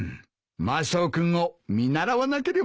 マスオ君を見習わなければいかんな。